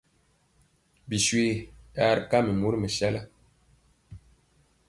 Biswe ya ri kam mori mɛsala.